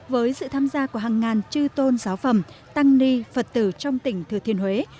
với sự tham gia của hàng ngàn chư tôn giáo phẩm tăng ni phật tử trong tỉnh thừa thiên huế